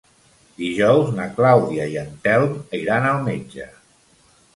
Dijous na Clàudia i en Telm iran al metge.